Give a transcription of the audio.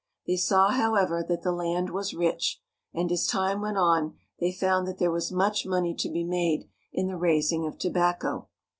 They saw, however, that the land was rich, and as time went on they found that there was much money to be made in the raising of tobacco.